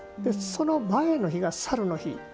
その前の日が申の日。